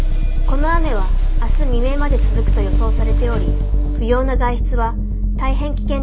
この雨は明日未明まで続くと予想されており不要な外出は大変危険ですのでお控えください。